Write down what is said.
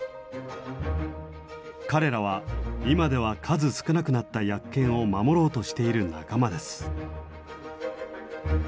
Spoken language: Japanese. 彼らは今では数少なくなったヤッケンを守ろうとしている仲間です。